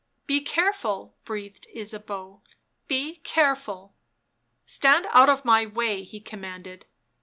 " Be careful," breathed Ysabeau. " Be careful." " Stand out of my way," he commanded.